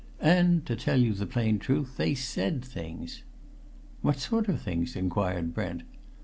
And, to tell you the plain truth, they said things." "What sort of things?" inquired Brent.